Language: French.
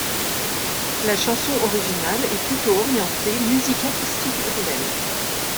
La chanson originale est plutôt orientée musique acoustique urbaine.